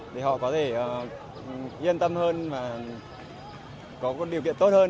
để họ có thể yên tâm hơn và có điều kiện tốt hơn